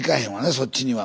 そっちには。